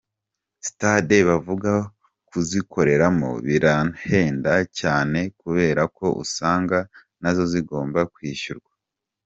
stade bavuga kuzikoreramo birahenda cyane kubera ko usanga nazo zigomba kwishyurwa.